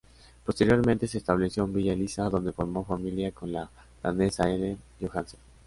Posteriormente se estableció en Villa Elisa, donde formó familia con la danesa Ellen Johansen.